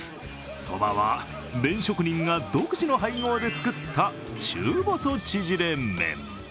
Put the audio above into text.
そばは、麺職人が独自の配合で作った中細ちぢれ麺。